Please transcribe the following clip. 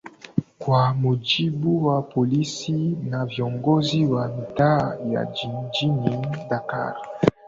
kwa mujibu wa polisi na viongozi wa mitaa ya jijini dakar